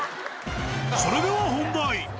それでは本題。